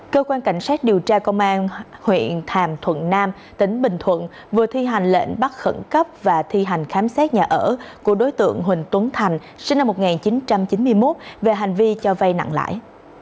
cơ quan cảnh sát điều tra công an huyện hàm thuận nam tỉnh bình thuận vừa thi hành lệnh bắt khẩn cấp và thi hành khám xét nhà ở của đối tượng huỳnh tuấn thành sinh năm một nghìn chín trăm chín mươi một về hành vi cho vay nặng lãi